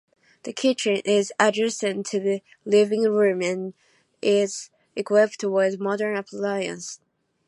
The kitchen is adjacent to the living room and is equipped with modern appliances.